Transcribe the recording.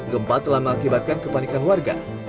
gempa telah mengakibatkan kepanikan warga